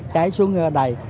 cháy xuống đây